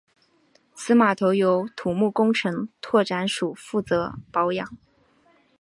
此码头由土木工程拓展署负责保养。